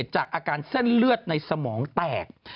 จากอาการเส้นเลือดในสมองแตก